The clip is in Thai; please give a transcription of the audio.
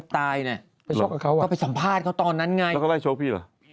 เราไปสัมภาษณ์เขาตอนนั้นไง